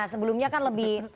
sebelumnya kan lebih